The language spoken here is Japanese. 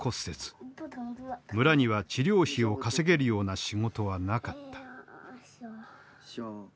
村には治療費を稼げるような仕事はなかった。